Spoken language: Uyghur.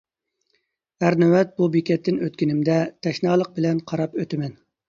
ھەر نۆۋەت بۇ بېكەتتىن ئۆتكىنىمدە، تەشنالىق بىلەن قاراپ ئۆتىمەن.